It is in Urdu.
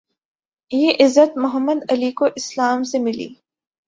یہ عزت محمد علی کو اسلام سے ملی